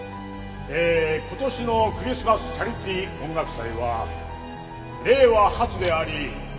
えー今年のクリスマスチャリティー音楽祭は令和初でありまた。